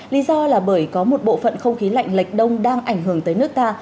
lý do là bởi có một bộ phận không khí lạnh lệch đông đang ảnh hưởng tới nước ta